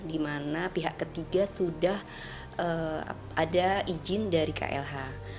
dimana pihak ketiga sudah ada izin dari klh